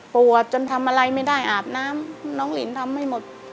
ปวดจนทำอะไรไม่ได้อาบน้ำน้องลินทำไม่หมด